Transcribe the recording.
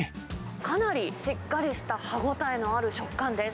かなりしっかりした歯応えのある食感です。